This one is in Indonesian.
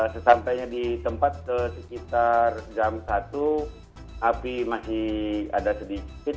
sesampainya di tempat sekitar jam satu api masih ada sedikit